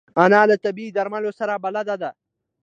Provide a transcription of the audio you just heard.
انا له طبیعي درملو سره بلد ده